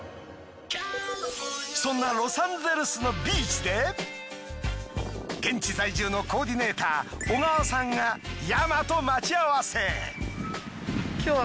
そんなロサンゼルスのビーチで現地在住のコーディネーター小川さんがＹＡＭＡと待ち合わせ。